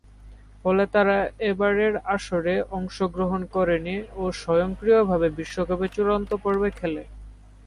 ফলে তারা এবারের আসরে অংশগ্রহণ করেনি ও স্বয়ংক্রিয়ভাবে বিশ্বকাপের চূড়ান্ত পর্বে খেলে।